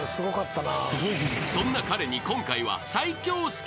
［そんな彼に今回は］